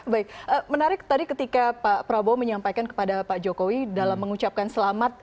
baik menarik tadi ketika pak prabowo menyampaikan kepada pak jokowi dalam mengucapkan selamat